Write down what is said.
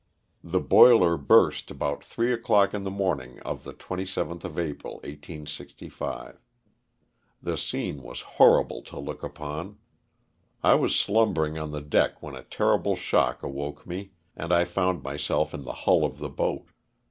The boiler burst about three o'clock in the morning of the 27th of April, 1865. The scene was horrible to look upon. I was slumbering on the deck when a terrible shock awoke me and I found myself in the hull of the boat.